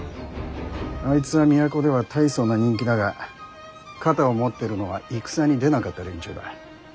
あいつは都では大層な人気だが肩を持ってるのは戦に出なかった連中だ。